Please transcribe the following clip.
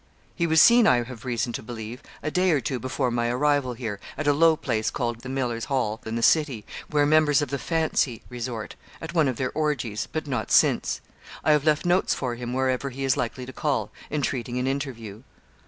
'He was seen, I have reason to believe, a day or two before my arrival here, at a low place called the "Miller's Hall," in the City, where members of the "Fancy" resort, at one of their orgies, but not since. I have left notes for him wherever he is likely to call, entreating an interview.